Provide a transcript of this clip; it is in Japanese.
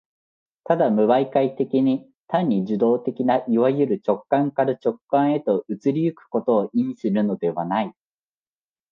ただ無媒介的に、単に受働的ないわゆる直観から直観へと移り行くことを意味するのではない。